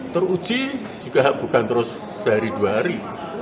teruji juga bukan terus sehari dua hari